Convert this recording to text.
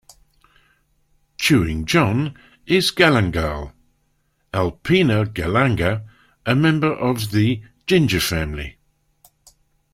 "Chewing John" is galangal, "Alpinia galanga" - a member of the ginger family.